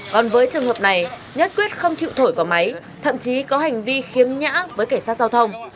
còn với trường hợp này nhất quyết không chịu thổi vào máy thậm chí có hành vi khiếm nhã với cảnh sát giao thông